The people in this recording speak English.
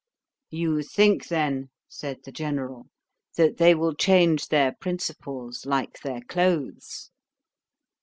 'You think then, (said the General,) that they will change their principles like their clothes.'